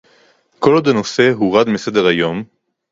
כל עוד הנושא הורד מסדר-היום